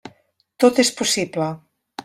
Tot és possible.